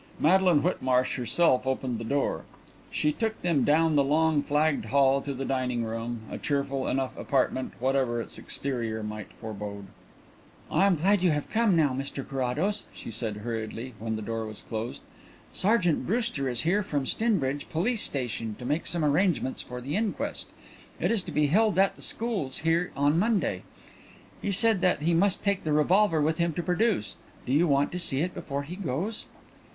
Madeline Whitmarsh herself opened the door. She took them down the long flagged hall to the dining room, a cheerful enough apartment whatever its exterior might forebode. "I am glad you have come now, Mr Carrados," she said hurriedly, when the door was closed. "Sergeant Brewster is here from Stinbridge police station to make some arrangements for the inquest. It is to be held at the schools here on Monday. He says that he must take the revolver with him to produce. Do you want to see it before he goes?"